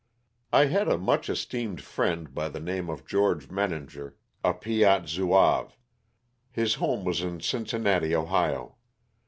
I had a much esteemed friend by the name of George Menenger, a Piat Zouave. His home was in Cincin nati, Ohio.